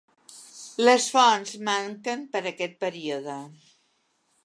Les fonts manquen per aquest període.